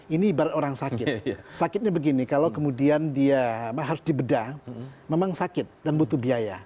ini ibarat orang sakit sakitnya begini kalau kemudian dia harus dibeda memang sakit dan butuh biaya